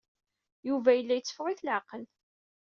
Yuba yella yetteffeɣ-it leɛqel.